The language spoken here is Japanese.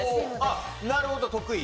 あっなるほど得意？